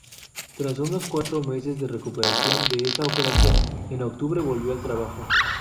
Tras unos cuatro meses de recuperación de esta operación, en octubre volvió al trabajo.